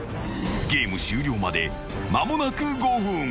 ［ゲーム終了まで間もなく５分］